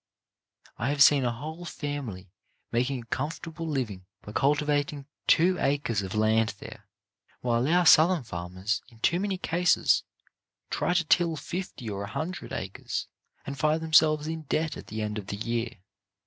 I have seen a whole family making a comfortable living by cultivating two acres of land there, while our Southern farmers, in too many cases, try to till fifty or a hundred acres, and find them selves in debt at the end of the year.